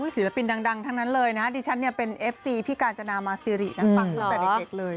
ศิลปินดังทั้งนั้นเลยนะดิฉันเนี่ยเป็นเอฟซีพี่กาญจนามาซิรินะฟังตั้งแต่เด็กเลย